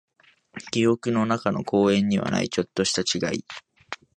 記憶の中の公園にはない、ちょっとした違い。